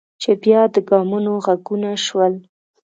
چې بیا د ګامونو غږونه شول.